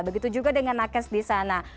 begitu juga dengan nakes di sana